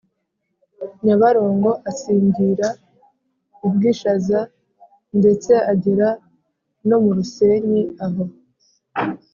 nyabarongo, asingira u bwishaza ndetse agera no mu rusenyi. aho